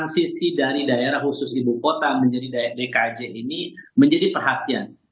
bagi kami saat ini transisi dari daerah khusus ibu kota menjadi dkij ini menjadi perhatian